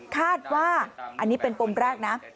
คาดว่าอันนี้เป็นปมแรกนะ